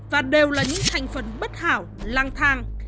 và đều là những thành phần bất hảo lang thang